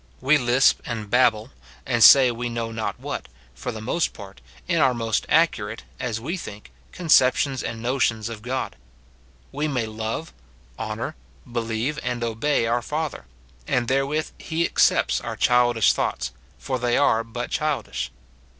We lisp and babble, aiid say we know not what, for the most part, in our most accurate, as we think, conceptions and notions of God. We may love, honour, believe and obey our Fa ther ; and therewith he accepts our childish thoughts, for they are but childish.